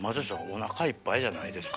お腹いっぱいじゃないですか？